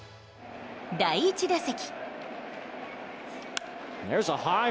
第１打席。